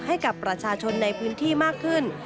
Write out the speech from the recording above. ให้กับประชาชนในพื้นที่มากขึ้น